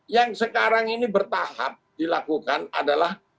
yang sekarang ini bertahap dilakukan adalah